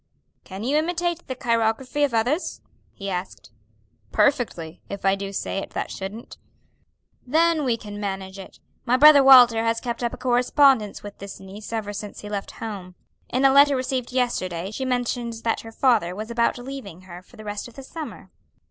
"Can you imitate the chirography of others?" he asked. "Perfectly, if I do say it that shouldn't." "Then we can manage it. My brother Walter has kept up a correspondence with this niece ever since he left home. In a letter received yesterday she mentions that her father was about leaving her for the rest of the summer.